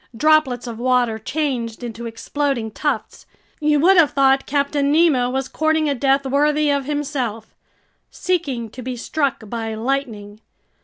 Droplets of water changed into exploding tufts. You would have thought Captain Nemo was courting a death worthy of himself, seeking to be struck by lightning.